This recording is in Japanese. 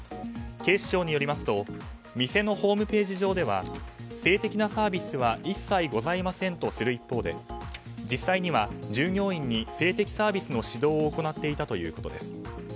警視庁によりますと店のホームページ上では性的なサービスは一切ございませんとする一方で実際には従業員に性的サービスの指導を行っていたということです。